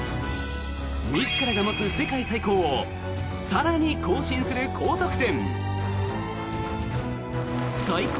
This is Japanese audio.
自らが持つ世界最高を更に更新する高得点。